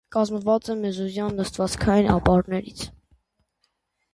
Կազմված է մեզոզոյան նստվածքային ապարներից։